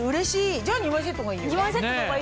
じゃあ２枚セットがいいよね。